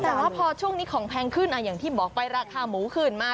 แต่ว่าพอช่วงนี้ของแพงขึ้นอย่างที่บอกไปราคาหมูขึ้นมา